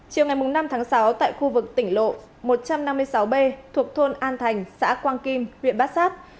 chiều năm sáu tại khu vực tỉnh lộ một trăm năm mươi sáu b thuộc thôn an thành xã quang kim huyện bát giác